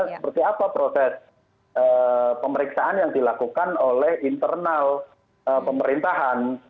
seperti apa proses pemeriksaan yang dilakukan oleh internal pemerintahan